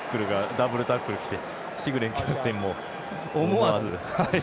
ダブルタックルきてシグレンキャプテンも思わず。